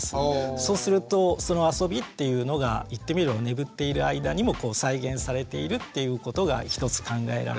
そうするとその遊びっていうのが言ってみれば眠っている間にも再現されているっていうことが一つ考えられるような気がします。